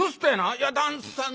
「いや旦さん